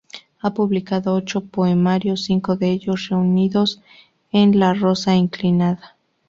Ha publicado ocho poemarios, cinco de ellos reunidos en "La rosa inclinada.